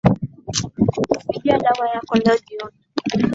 Kujia dawa yako leo jioni